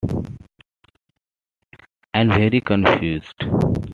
And very confused.